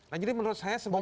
nah jadi menurut saya sebuah